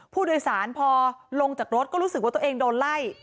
ผู้โดยสารพอลงจากรถก็รู้สึกว่าตัวเองโดนไล่